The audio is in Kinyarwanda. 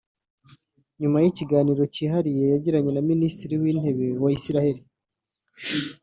nyuma y’ikiganiro cyihariye yagiranye na Minisitiri w’Intebe wa Israel